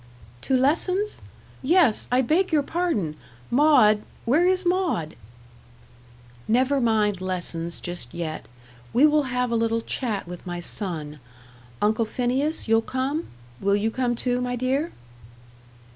"To lessons? Yes. I beg your pardon! Maud where is Maud?" "Never mind lessons just yet. We will have a little chat with my son. Uncle Phineas, you'll come? Will you come, too, my dear?"